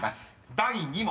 第２問］